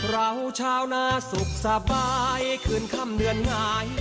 เราชาวนาสุขสบายคืนค่ำเดือนหงาย